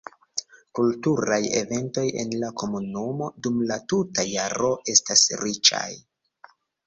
Kulturaj eventoj en la komunumo dum la tuta jaro estas riĉaj.